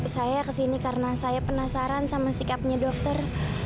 saya kesini karena saya penasaran sama sikapnya dokter